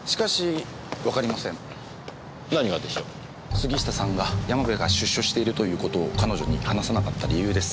杉下さんが山部が出所しているということを彼女に話さなかった理由です。